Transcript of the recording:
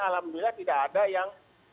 alhamdulillah tidak ada yang